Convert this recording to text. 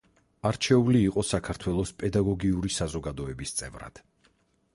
არჩეული იყო საქართველოს პედაგოგიური საზოგადოების წევრად.